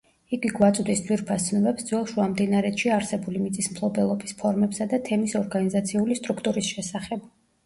იგი გვაწვდის ძვირფას ცნობებს ძველ შუამდინარეთში არსებული მიწისმფლობელობის ფორმებსა და თემის ორგანიზაციული სტრუქტურის შესახებ.